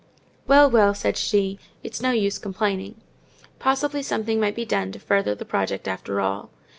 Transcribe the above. "Well, well!" said she, "it's no use complaining. Possibly something might be done to further the project after all.